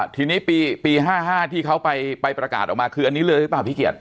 ทีนี้ปี๕๕ที่เขาไปประกาศออกมาคืออันนี้เลยหรือเปล่าพี่เกียจ